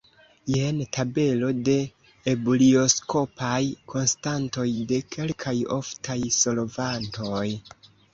Jen tabelo de ebulioskopaj konstantoj de kelkaj oftaj solvantoj.